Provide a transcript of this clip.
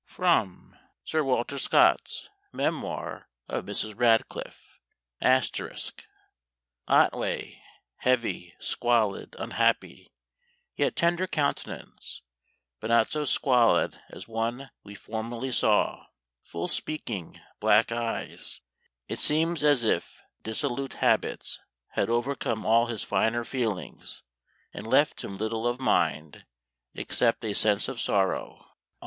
[Sidenote: Sir Walter Scott's Memoir of Mrs. Radcliffe. *] "Otway, heavy, squalid, unhappy; yet tender countenance, but not so squalid as one we formerly saw; full speaking, black eyes; it seems as if dissolute habits had overcome all his finer feelings, and left him little of mind, except a sense of sorrow."